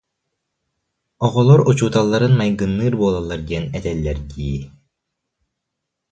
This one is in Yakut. Оҕолор учууталларын майгынныыр буолаллар диэн этэллэр дии